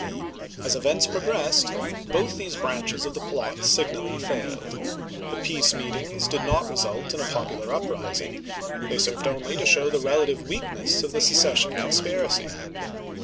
As events progressed, both these branches of the plot signally failed. The peace meetings did not result in a popular uprising; they served only to show the relative weakness of the secession con spiracy.